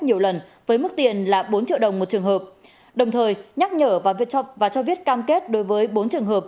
nhiều lần với mức tiền là bốn triệu đồng một trường hợp đồng thời nhắc nhở và cho viết cam kết đối với bốn trường hợp